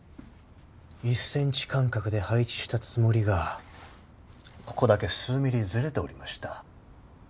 １ｃｍ間隔で配置したつもりがここだけ数ｍｍずれておりました。